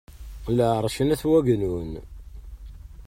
Lɛerc n At wagennun.